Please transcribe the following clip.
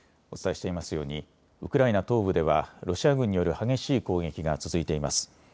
お伝えしていますようにウクライナ東部ではロシア軍による激しい攻撃が続いています。